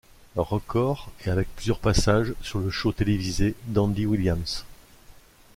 Records et avec plusieurs passages sur le show télévisé d'Andy Williams.